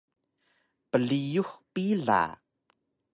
Priyux pila